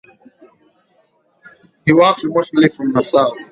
He worked remotely from Nassau.